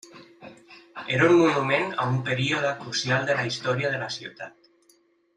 Era un monument a un període crucial de la història de la ciutat.